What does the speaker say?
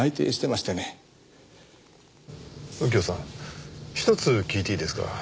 右京さんひとつ聞いていいですか？